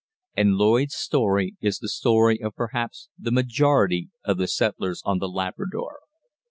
And Lloyd's story is the story of perhaps the majority of the settlers on The Labrador.